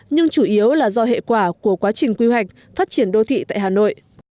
nhưng chủ yếu là do hệ quả của quá trình quy hoạch phát triển đô thị tại hà nội